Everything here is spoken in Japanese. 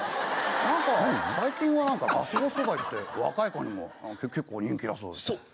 何か最近は何かラスボスとか言って若い子にも結構人気だそうですね．そう！